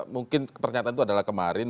mungkin pernyataan itu adalah kemarin